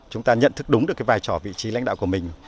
chúng ta nhận thức đúng được cái vai trò vị trí lãnh đạo của mình